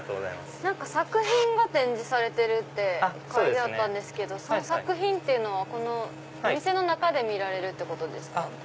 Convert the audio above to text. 作品が展示されてるって書いてあったんですけどその作品っていうのはお店の中で見られるんですか？